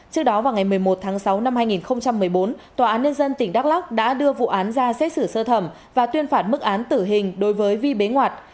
trước đó vào ngày một mươi một tháng sáu năm hai nghìn một mươi bốn tòa án nhân dân tỉnh đắk lắc đã đưa vụ án ra xét xử sơ thẩm và tuyên phạt mức án tử hình đối với vi bế ngoạt